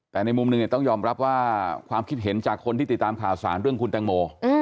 แต่ในมุมหนึ่งต้องยอมรับว่าความคิดเห็นจากคนที่ติดตามข่าวสารเรื่องคุณแตงโม